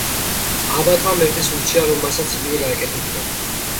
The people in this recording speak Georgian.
აბატმა მეფეს ურჩია, რომ მასაც იგივე გაეკეთებინა.